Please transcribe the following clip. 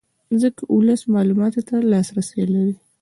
ځکه ولس معلوماتو ته لاسرې لري